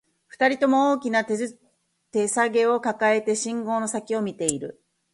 二人とも、大きな手提げを抱えて、信号の先を見ている